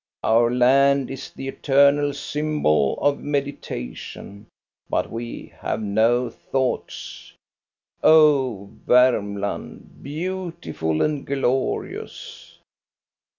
Our land is the eternal symbol of meditation, but we have no thoughts. " Oh, Varmland, beautiful and glorious